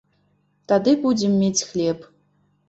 Тады будзем мець хлеб.